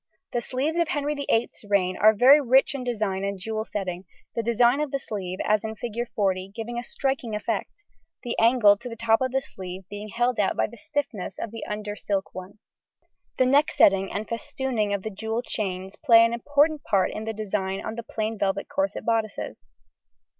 The sleeves of Henry VIII's reign are very rich in design and jewel setting, the design of the sleeve as in Fig. 40 giving a striking effect, the angle of the top sleeve being held out by the stiffness of the under silk one. The neck setting and festooning of the jewel chains play an important part in the design on the plain velvet corset bodices.